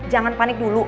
jangan panik dulu